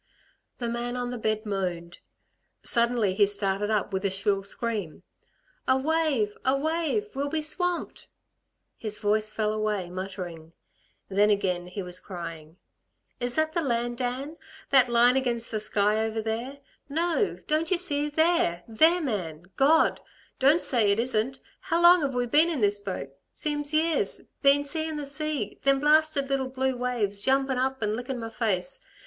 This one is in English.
The man on the bed moaned. Suddenly he started up with a shrill scream. "A wave! A wave! We'll be swamped." His voice fell away, muttering. Then again he was crying: "Is that the land, Dan, that line against the sky over there? No, don't y' see there there, man. God! Don't say it isn't! How long have we been in this boat? Seems years ... been seein' the sea, them blasted little blue waves jumpin' up 'n lickin' my face!